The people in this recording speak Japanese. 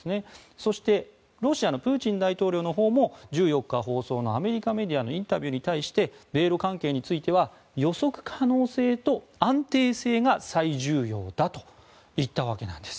そして、ロシアのプーチン大統領のほうも１４日放送のアメリカメディアのインタビューに対して米ロ関係については予測可能性と安定性が最重要だと言ったわけなんです。